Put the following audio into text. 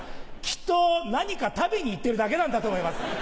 きっと何か食べに行ってるだけなんだと思います。